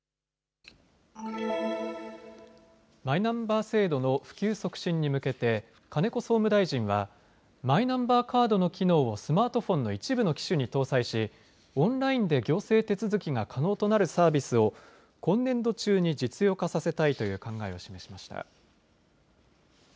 マイナンバー制度の普及促進に向けて金子総務大臣はマイナンバーカードの機能をスマートフォンの一部の機種に搭載しオンラインで行政手続きが可能となるサービスを今年度中に実用化させたいという考えを示しました。